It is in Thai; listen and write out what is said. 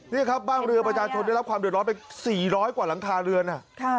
นี่ครับบ้านเรือประชาชนได้รับความเดือดร้อนไป๔๐๐กว่าหลังคาเรือน